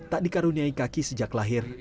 tak dikaruniai kaki sejak lahir